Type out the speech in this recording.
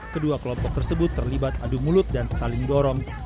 kedua kelompok tersebut terlibat adu mulut dan saling dorong